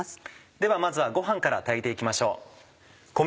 ではまずはご飯から炊いて行きましょう。